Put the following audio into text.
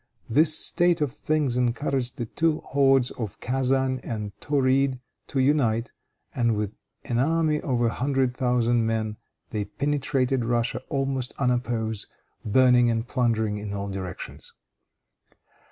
This state of things encouraged the two hordes of Kezan and Tauride to unite, and with an army of a hundred thousand men they penetrated Russia almost unopposed, burning and plundering in all directions.